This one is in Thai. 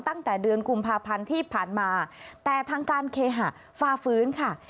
ตั้งแต่เดือนกุมภาพันธ์ที่ผ่านมาแต่ทางการเคหะฝ่าฟื้นค่ะ